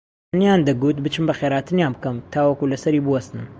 بەمنیان دەگوت بچم بەخێرهاتنیان بکەم تاوەکو لەسەری بووەستن